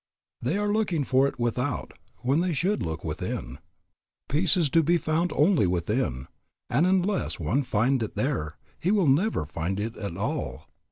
They are looking for it without when they should look within. Peace is to be found only within, and unless one find it there he will never find it at all.